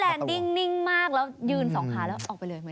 แล้วแลนด์ดิ้งนิ่งมากแล้วยืนสองขาแล้วออกไปเลย